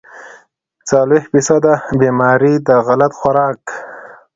څلوېښت فيصده بيمارۍ د غلط خوراک